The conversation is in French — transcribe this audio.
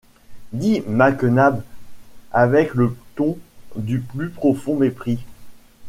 dit Mac Nabbs avec le ton du plus profond mépris.